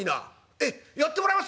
「えっやってもらえますか！？